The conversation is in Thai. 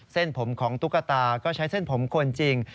เส้นผมของตุ๊กตาก็ใช้เส้นผมคนจริง